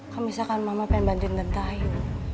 kalau misalkan mama pengen bantuin tenta ayu